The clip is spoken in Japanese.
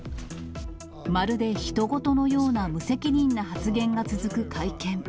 まるでひと事のような無責任な発言が続く会見。